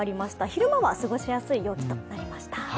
昼間は過ごしやすい陽気となりました。